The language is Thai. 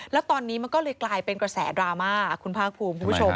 แล้วตอนนี้มันก็เลยกลายเป็นกระแสดราม่าคุณภาคภูมิคุณผู้ชม